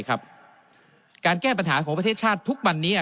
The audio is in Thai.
การแก้ปัญหาของประเทศชาติทุกวันนี้